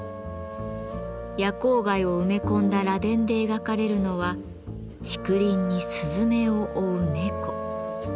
夜光貝を埋め込んだ螺鈿で描かれるのは「竹林に雀を追う猫」。